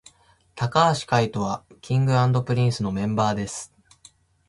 髙橋海人は King & Prince のメンバーです